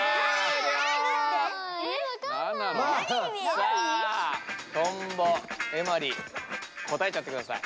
さあトンボエマリ答えちゃってください。